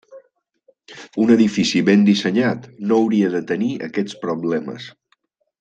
Un edifici ben dissenyat no hauria de tenir aquests problemes.